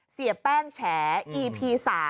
เสียแป้งแฉอีพี๓